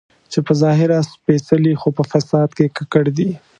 چې په ظاهره سپېڅلي خو په فساد کې ککړ دي.